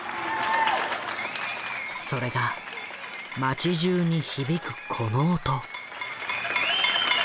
それが街じゅうに響くこの音。